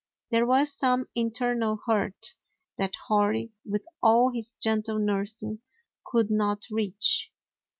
There was some internal hurt that Hori, with all his gentle nursing, could not reach.